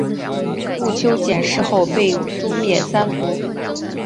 毋丘俭事后被诛灭三族。